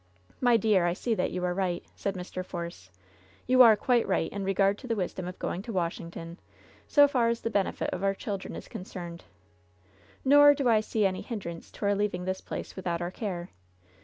'* "My dear, I see that you are right," said Mr. Force. "You are quite right in regard to the wisdom of going to Washington, so far as the benefit of our children is concerned ; nor do I see any hindrance to our leaving this place without our care.